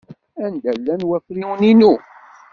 Anda llan wafriwen-inu?